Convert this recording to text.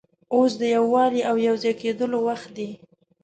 اوس د یووالي او یو ځای کېدلو وخت دی.